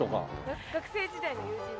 学生時代の友人です。